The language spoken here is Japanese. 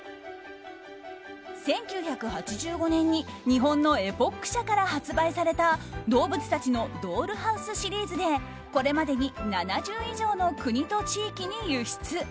１９８５年に日本のエポック社から発売された動物たちのドールハウスシリーズでこれまでに７０以上の国と地域に輸出。